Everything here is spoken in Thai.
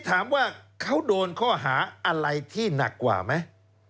ถามว่าเขาโดนข้อหาอะไรที่หนักกว่าไหม